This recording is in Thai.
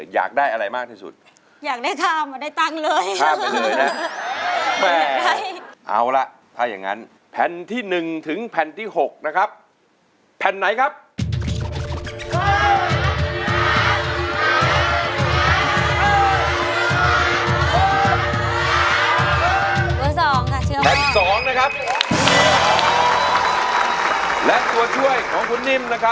ตกลงว่าใช้หรือไม่ใช้ครับใช้ค่ะใช้ค่ะ